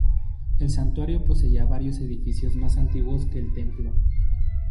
El santuario poseía varios edificios más antiguos que el templo.